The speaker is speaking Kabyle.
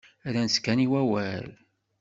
Rran-tt kan i wawal.